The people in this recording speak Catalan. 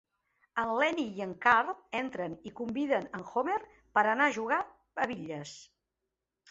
En Lenny i en Carl entren i conviden en Homer per anar a jugar a bitlles.